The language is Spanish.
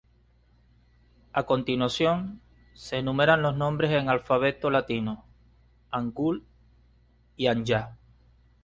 A continuación, se enumeran los nombres en alfabeto latino, Hangul y Hanja.